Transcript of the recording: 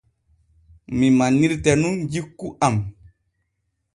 Mi manirte nun jikku am.